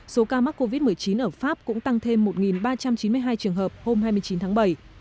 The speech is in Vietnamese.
số ca mắc covid một mươi chín ở pháp cũng tăng thêm một ba trăm chín mươi hai trường hợp hôm hai mươi chín tháng bảy